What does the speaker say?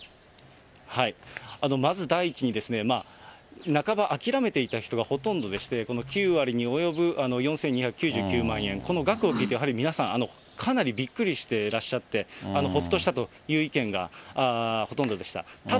まず第一に、半ば諦めていた人がほとんどでして、この９割に及ぶ４２９９万円、この額を聞いてやはり皆さん、かなりびっくりしてらっしゃって、ほっとしたという意見がほとんどでした。